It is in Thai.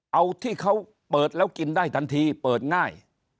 เอาที่เขาเปิดแล้วกินได้ทันทีเปิดง่าย